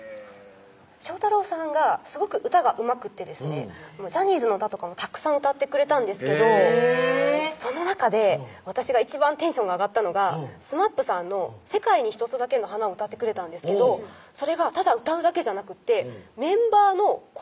将太郎さんがすごく歌がうまくってですねジャニーズの歌とかもたくさん歌ってくれたんですけどその中で私が一番テンションが上がったのがＳＭＡＰさんの世界に一つだけの花を歌ってくれたんですけどそれがただ歌うだけじゃなくてメンバーの声